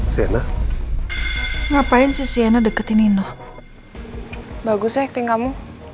sena ngapain sih sienna deketin ino bagusnya tinggalmu